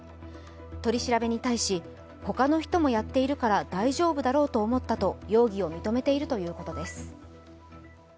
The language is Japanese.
取り調べに対し、他の人もやっているから大丈夫だろうと思ったと容疑を認めているということです。